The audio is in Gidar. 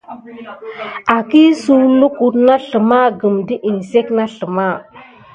Akisuwək lukuɗɗe na sləma may pay an kəpelsouwa.